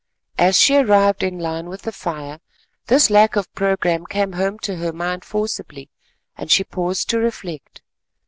As she arrived in line with the fire this lack of programme came home to her mind forcibly, and she paused to reflect.